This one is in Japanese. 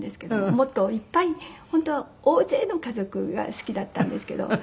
もっといっぱい本当は大勢の家族が好きだったんですけど。